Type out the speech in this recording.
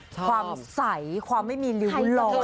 ชอบความใสความไม่มีรวดร้อย